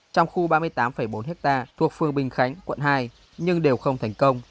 trong khu ba mươi tám bốn ha thuộc phường bình khánh quận hai nhưng đều không thành công